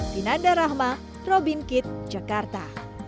vinanda rahma robin kitt jakarta